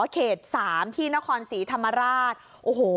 เขต๓ที่นครศรีธรรมราช